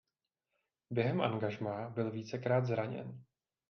Během angažmá byl vícekrát zraněn.